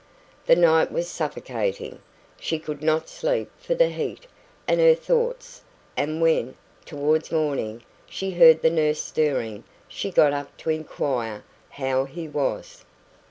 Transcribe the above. The night was suffocating. She could not sleep for the heat and her thoughts, and when, towards morning, she heard the nurse stirring, she got up to inquire how he was.